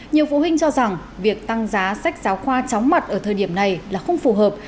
nhiều phụ huynh cho rằng việc tăng giá sách giáo khoa chóng mặt ở thời điểm này là không phù hợp